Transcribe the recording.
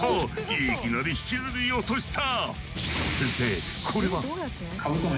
いきなり引きずり落とした！